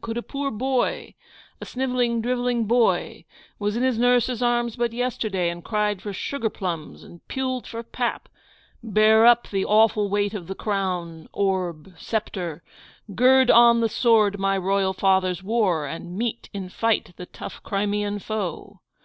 Could a poor boy, a snivelling, drivelling boy was in his nurse's arms but yesterday, and cried for sugarplums and puled for pap bear up the awful weight of crown, orb, sceptre? gird on the sword my royal fathers wore, and meet in fight the tough Crimean foe?